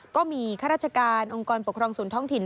ก็มีข้าราชการองค์กรปกครองส่วนท้องถิ่น